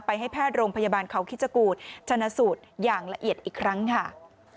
ให้แพทย์โรงพยาบาลเขาคิดจกูธชนะสูตรอย่างละเอียดอีกครั้งค่ะ